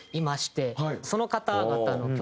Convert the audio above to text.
その方々の曲